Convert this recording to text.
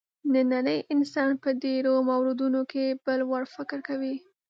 نننی انسان په ډېرو موردونو کې بل وړ فکر کوي.